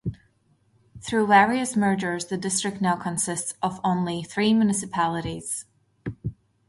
Through various mergers the district now consists of only three municipalities.